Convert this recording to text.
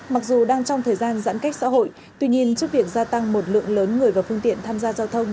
mặc dù đang trong thời gian giãn cách xã hội tuy nhiên trước việc gia tăng một lượng lớn người và phương tiện tham gia giao thông